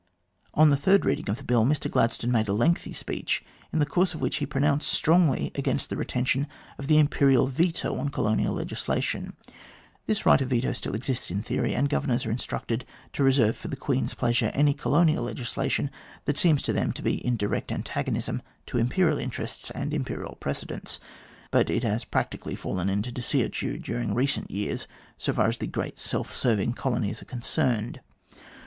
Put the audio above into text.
On the third reading of the Bill, Mr Gladstone made a lengthy speech, in the course of which he pronounced strongly against the retention of the Imperial veto on colonial I legislation. This right of veto still exists in theory, and Governors are instructed to reserve for the Queen's pleasure any colonial legislation that seems to them to be in direct antagonism to Imperial interests and Imperial precedents, but it has practically fallen into desuetude during recent years so far as the great self governing colonies are concerned.